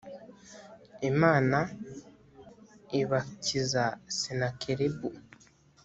imana ibakiza senakeribu